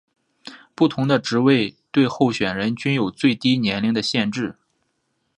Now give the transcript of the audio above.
不同的职位对候选人均有最低年龄的限制。